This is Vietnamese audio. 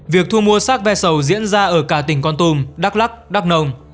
việc thu mua xác vẹt sầu diễn ra ở cả tỉnh con tùm đắk lắc đắk nông